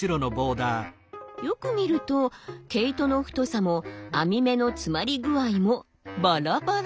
よく見ると毛糸の太さも編み目の詰まり具合もバラバラ。